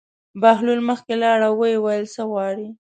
بهلول مخکې لاړ او ویې ویل: څه غواړې.